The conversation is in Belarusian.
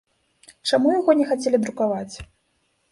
Чаму яго не хацелі друкаваць?